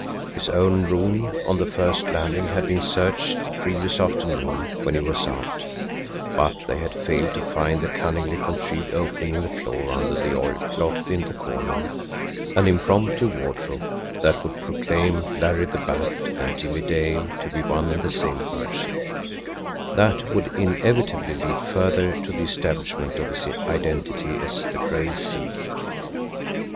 His own room on the first landing had been searched the previous afternoon, when he was out, but they had failed to find the cunningly contrived opening in the floor under the oilcloth in the corner, an impromptu wardrobe, that would proclaim Larry the Bat and Jimmie Dale to be one and the same person that would inevitably lead further to the establishment of his identity as the Gray Seal.